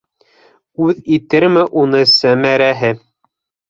Үҙ итерме уны Сәмәрәһе?